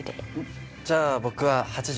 じゃあ僕は８０。